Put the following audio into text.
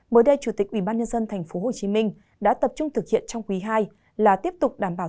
mới đây chủ tịch ubnd tp hcm đã tập trung thực hiện trong quý ii là tiếp tục đảm bảo